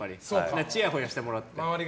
ちやほやしてもらって。